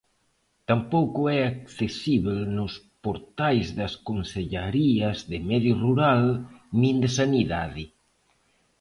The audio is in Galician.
Tampouco é accesíbel nos portais das Consellarías de Medio Rural nin de Sanidade.